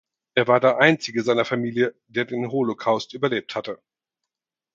Er war der einzige seiner Familie, der den Holocaust überlebt hatte.